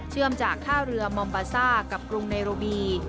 จากท่าเรือมอมบาซ่ากับกรุงเนโรบี